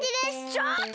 ちょっと！